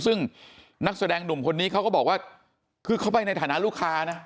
ซึ่งนักแสดงหนุ่มคนนี้เขาก็บอกว่าคือเขาไปในฐานะลูกค้านะ